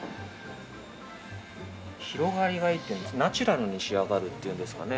広がりがいいっていうナチュラルに仕上がるっていうんですかね。